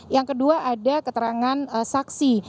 yang kedua ada keterangan saksi